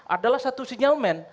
adalah satu sinyalmen